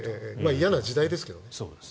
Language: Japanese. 嫌な時代ですけどね。